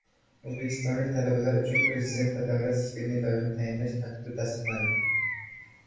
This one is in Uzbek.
O‘zbekistonlik talabalar uchun Prezident va davlat stipendiyalarini tayinlash tartibi tasdiqlandi